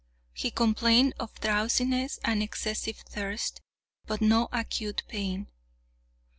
He complained of drowsiness and excessive thirst, but no acute pain.